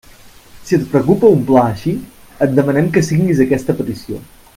Si et preocupa un pla així, et demanem que signis aquesta petició.